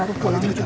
aku pulang juga kak